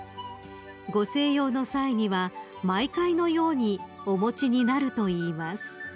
［ご静養の際には毎回のようにお持ちになるといいます］